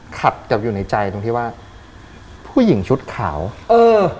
ขัดกับอยู่ในใจตรงที่ว่าผู้หญิงชุดขาวเออ